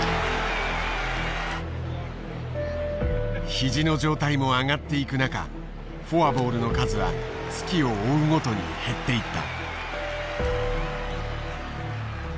肘の状態も上がっていく中フォアボールの数は月を追うごとに減っていった。